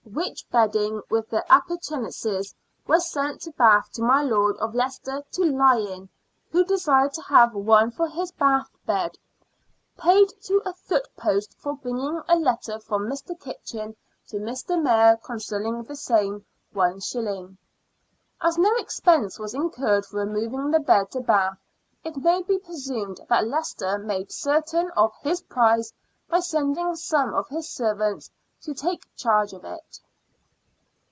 which bedding with the appurtenances was sent to Bath to my Lord of Leicester to lye in, who desired to have one for his Bath bed. Paid to a foot post for bringing a letter from Mr, Kitchin to Mr. Mayor concerning the same IS." As no expense was incurred for removing the bed to Bath, it may be presumed that Leicester made certain of his prize by sending some of his servants to take charge of it.